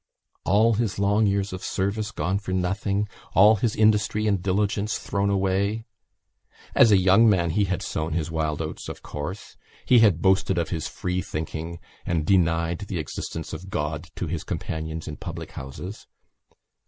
All his long years of service gone for nothing! All his industry and diligence thrown away! As a young man he had sown his wild oats, of course; he had boasted of his free thinking and denied the existence of God to his companions in public houses.